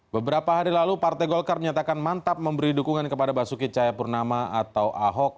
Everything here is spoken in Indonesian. beberapa hari lalu partai golkar menyatakan mantap memberi dukungan kepada basuki cayapurnama atau ahok